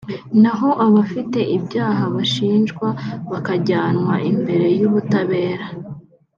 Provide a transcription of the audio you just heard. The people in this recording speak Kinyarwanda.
naho abafite ibyaha bashinjwa bakajyanwa imbere y’ubutabera